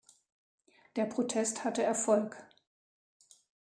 Der Protest hatte Erfolg.